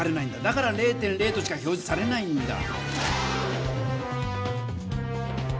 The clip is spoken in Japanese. だから０．０としか表じされないんだ。